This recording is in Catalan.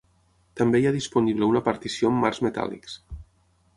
També hi ha disponible una partició amb marcs metàl·lics.